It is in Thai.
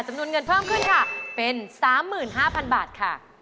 จำนวนเงินเพิ่มขึ้นค่ะเป็น๓๕๐๐๐บาทค่ะ